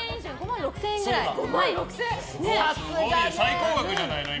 最高額じゃないの？